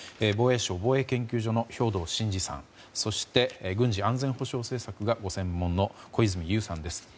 防衛省防衛研究所の兵頭慎治さんそして軍事・安全保障政策がご専門の小泉悠さんです。